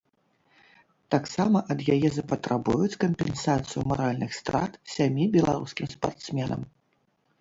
Таксама ад яе запатрабуюць кампенсацыю маральных страт сямі беларускім спартсменам.